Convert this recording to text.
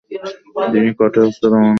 তিনি কঠোরহস্তে দমনে সহায়তা করেন।